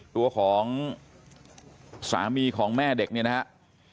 ตัวของสามีของแม่เด็กเนี่ยนะครับ